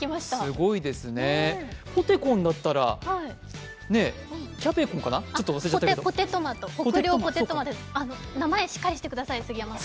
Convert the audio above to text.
すごいですね、ポテコンだったらキャベコンだったかな北稜ポテトマトです、名前しっかりしてください、杉山さん。